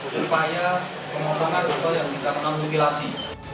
berupaya pemotongan atau yang dikatakan mutilasi